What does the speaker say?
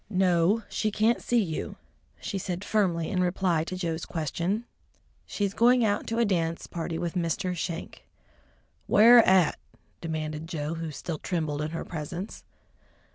"No, she can't see you," she said firmly in reply to Joe's question. "She's going out to a dance party with Mr. Schenk." "Where at?" demanded Joe, who still trembled in her presence.